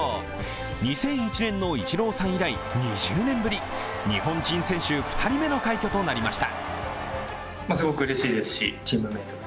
２００１年のイチローさん以来２０年ぶり、日本人選手２人目の快挙となりました。